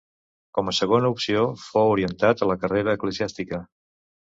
Com a segona opció fou orientat a la carrera eclesiàstica.